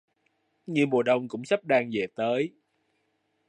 Như mùa Đông cũng sắp đang về tới